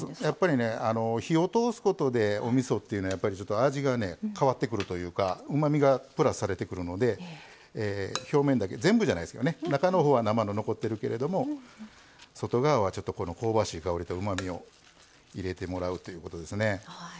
火を通すことでおみそっていうのは味が変わってくるというかうまみがプラスされてくるので表面だけ、全部じゃないですけど中のほうは生が残っているけども外側は香ばしい香りと、うまみを入れてもらうということですね。